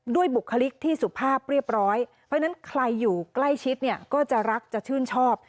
บุคลิกที่สุภาพเรียบร้อยเพราะฉะนั้นใครอยู่ใกล้ชิดเนี่ยก็จะรักจะชื่นชอบ